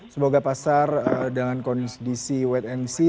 semoga pasar dengan kondisi wet and sea